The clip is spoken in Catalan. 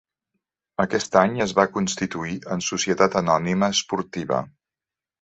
Aquest any es va constituir en Societat Anònima Esportiva.